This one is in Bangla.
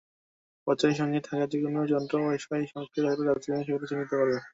পথচারীর সঙ্গে থাকা যেকোনো যন্ত্রে ওয়াই-ফাই সক্রিয় থাকলে ডাস্টবিন সেগুলো চিহ্নিত করবে।